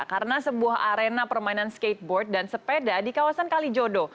karena sebuah arena permainan skateboard dan sepeda di kawasan kalijodo